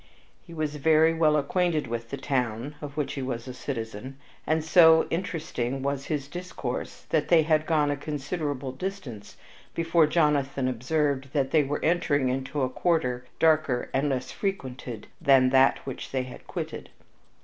He was very well acquainted with the town (of which he was a citizen), and so interesting was his discourse that they had gone a considerable distance before Jonathan observed they were entering into a quarter darker and less frequented than that which they had quitted.